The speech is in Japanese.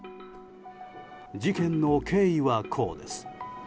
事件の経緯はこうです。